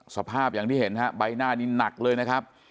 สภาพอย่างที่เห็นฮะใบหน้านี้หนักเลยนะครับ